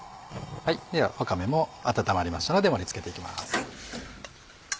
ではわかめも温まりましたので盛り付けていきます。